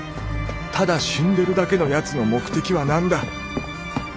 ただ死んでるだけのヤツの「目的」は何だ？